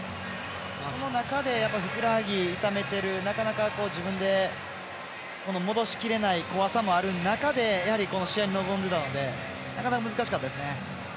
その中で、ふくらはぎ痛めているなかなか自分で戻しきれない怖さもある中でこの試合に臨んでいたのでなかなか、難しかったですね。